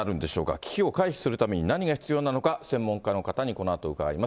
危機を回避するために何が必要なのか、専門家の方にこのあと伺います。